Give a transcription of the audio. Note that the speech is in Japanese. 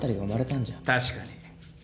確かに。